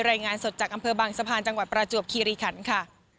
รายงานสดจากอำเภอบางสะพานจังหวัดประจวบคีรีขันค่ะ